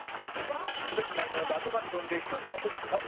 前回のラブマゲドンで１人残った森田